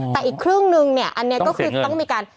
แต่อีกครึ่งนึงเนี่ยอันนี้ก็คือต้องมีการ